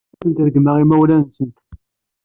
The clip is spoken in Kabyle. Ur asent-reggmeɣ imawlan-nsent.